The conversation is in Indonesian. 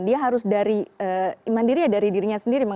dia harus mandiri dari dirinya sendiri